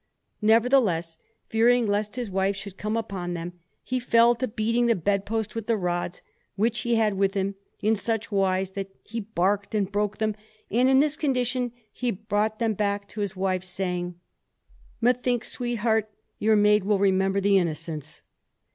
Nevertheless, fearing lest his wife should come upon them, he fell to beating the bed post with the rods which he had with him in such wise that he barked and broke them; and in this condition he brought them back to his wife, saying "Methinks, sweetheart, your maid will remember the Innocents."